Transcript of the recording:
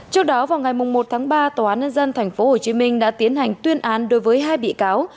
trước đó vào ngày một tháng ba tòa án nhân dân tp hcm đã tiến hành tuyên án đối với hai bị cáo